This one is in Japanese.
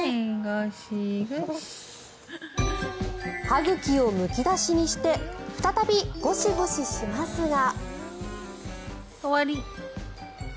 歯茎をむき出しにして再びゴシゴシしますが。